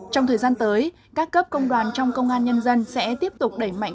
trong thời gian tới các cấp công đoàn trong công an nhân dân sẽ tiếp tục đẩy mạnh